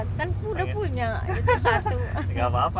kalau gilang punya fadila juga harus punya gitu ya